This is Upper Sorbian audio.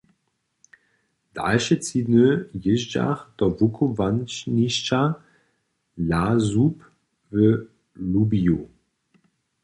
Dalše tři dny jězdźach do wukubłanišća LaSuB w Lubiju.